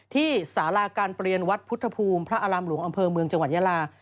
สาราการเปลี่ยนวัดพุทธภูมิพระอารามหลวงอำเภอเมืองจังหวัดยาลา